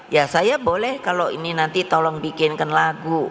ya saya boleh kalau ini nanti tolong bikinkan lagu